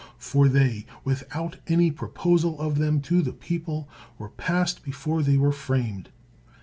For they, without any proposal of them to the people, were passed before they were framed.